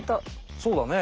そうだね。